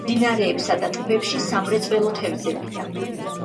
მდინარეებსა და ტბებში სამრეწველო თევზებია.